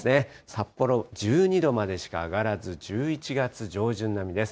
札幌１２度までしか上がらず、１１月上旬並みです。